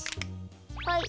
はい。